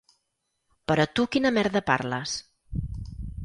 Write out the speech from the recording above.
Però tu quina merda parles?